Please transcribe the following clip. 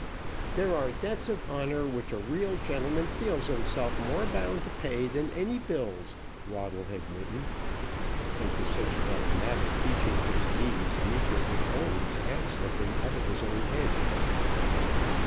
"There are debts of honour which a real gentleman feels himself more bound to pay than any bills," Waddle had written. And to such dogmatic teachings as these Neefit would always add something out of his own head.